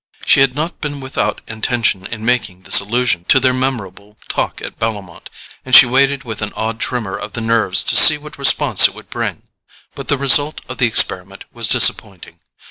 She had not been without intention in making this allusion to their memorable talk at Bellomont, and she waited with an odd tremor of the nerves to see what response it would bring; but the result of the experiment was disappointing.